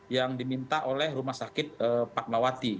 yang diminta oleh rumah sakit pak mlawati